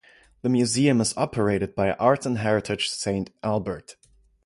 The museum is operated by Arts and Heritage Saint Albert.